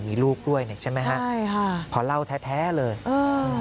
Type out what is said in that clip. จะมีลูกด้วยเนี่ยใช่ไหมครับพอเล่าแท้เลยเออ